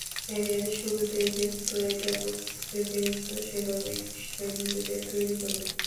ক্যারিয়ারের শুরুতেই যেহেতু এটা বুঝতে পেরেছে, সেভাবেই নিশ্চয় নিজেদের তৈরি করবে।